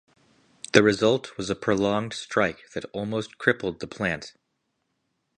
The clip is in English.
The result was a prolonged strike that almost crippled the plant.